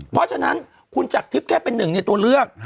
เพราะฉะนั้นคุณจักรทิพย์แค่เป็นหนึ่งในตัวเลือก